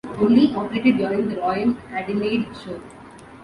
Only operated during the Royal Adelaide Show.